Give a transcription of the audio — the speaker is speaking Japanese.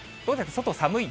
外寒い？